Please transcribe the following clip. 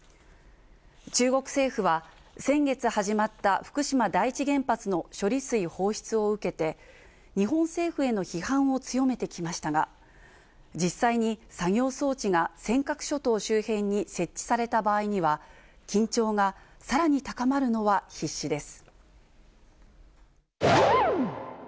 中国政府は、先月始まった福島第一原発の処理水放出を受けて、日本政府への批判を強めてきましたが、実際に作業装置が尖閣諸島周辺に設置された場合には、緊張がさらに高まるのは必至です。